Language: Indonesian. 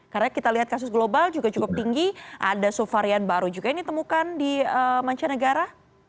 karena kita lihat kasus global juga cukup tinggi ada subvarian baru juga ini temukan di mancanegara